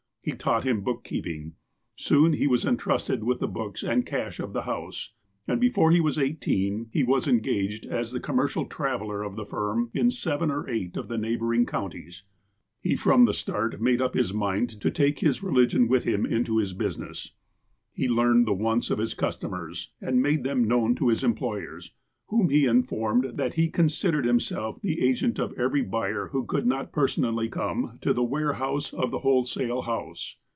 He taught him bookkeeping. Soon he was entrusted with the books and cash of the house, and before he was eighteen he was engaged as the commercial traveller of the firm in seven or eight of the neighboui'ing counties. He, from the start, made up his mind to take his relig ion with him into his business. He learned the wants of his customers, and made them known to his employers, whom he informed that he con sidered himself the agent of every buyer who could not personally come to the warehouse of the wholesale house.